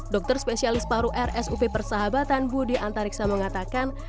dokter spesialis paru rsup persahabatan budi antariksa mengatakan